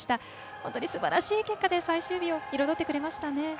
本当にすばらしい結果で最終日を彩ってくれましたね。